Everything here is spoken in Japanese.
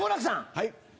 はい。